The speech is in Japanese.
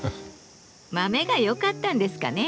豆が良かったんですかね。